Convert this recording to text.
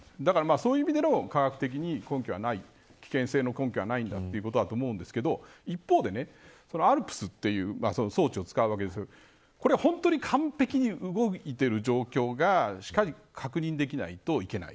そういう意味での科学的に危険性の根拠はないんだということだと思うんですけど一方で、ＡＬＰＳという装置を使うわけですがこれは本当に完璧に動いている状況がしっかりと確認できないといけない。